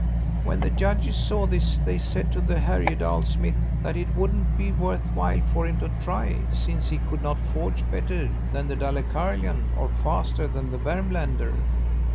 When the judges saw this they said to the Härjedal smith that it wouldn't be worth while for him to try, since he could not forge better than the Dalecarlian or faster than the Vermlander.